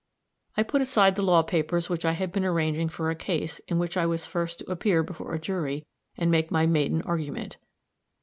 I put aside the law papers which I had been arranging for a case in which I was first to appear before a jury and make my maiden argument.